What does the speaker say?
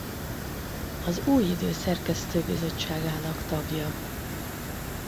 Az Új Idő szerkesztőbizottságának tagja.